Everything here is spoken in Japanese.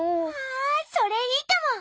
あそれいいかも！